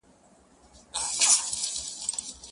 په شپږمه ورځ نجلۍ نه مري نه هم ښه کيږي